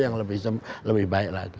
yang lebih baik lagi